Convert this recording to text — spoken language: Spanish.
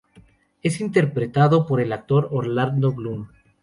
Es interpretado por el actor Orlando Bloom.